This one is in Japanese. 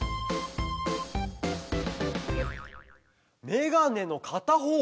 メガネのかたほう！